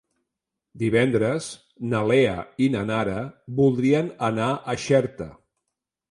Divendres na Lea i na Nara voldrien anar a Xerta.